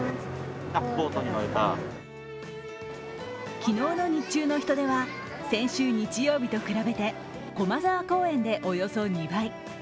昨日の日中の人出は先週日曜日と比べて駒沢公園でおよそ２倍。